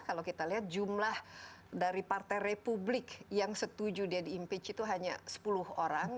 kalau kita lihat jumlah dari partai republik yang setuju dia diimpeach itu hanya sepuluh orang